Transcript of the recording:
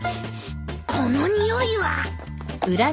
このにおいは。